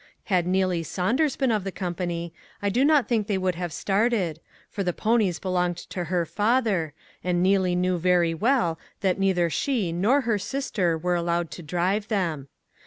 Had Neelie Saunders been of the company, I do not think they would have started, for the ponies belonged to her father, and Neelie knew very well that neither she nor her sister were allowed to drive them.